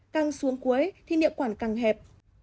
căng xuống cuối thì niệu quản càng hẹp